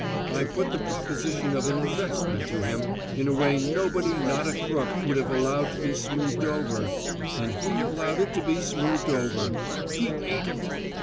I put the proposition of an `investment' to him in a way nobody not a crook would have allowed to be smoothed over and he allowed it to be smoothed over. He ate it!